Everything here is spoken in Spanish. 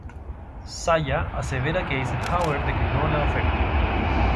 Salla asevera que Eisenhower declinó la oferta.